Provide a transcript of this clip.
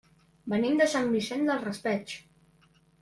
Venim de Sant Vicent del Raspeig.